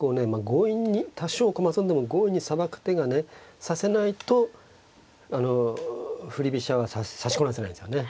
強引に多少駒損でも強引にさばく手がね指せないとあの振り飛車は指しこなせないんですよね。